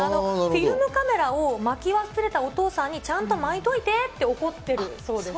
フィルムカメラを巻き忘れたお父さんに、ちゃんと巻いといてって怒ってるそうです。